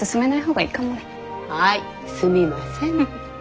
はいすみません。